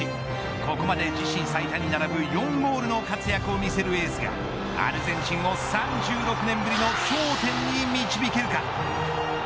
ここまで、自身最多に並ぶ４ゴールの活躍を見せるエースがアルゼンチンを３６年ぶりの頂点に導けるか。